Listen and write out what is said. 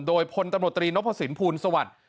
โดยพลตำรวจตรีนพสินภูลสวัสดิ์